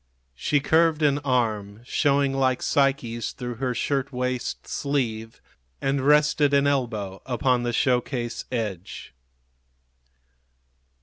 She curved an arm, showing like Psyche's through her shirt waist sleeve, and rested an elbow upon the show case edge.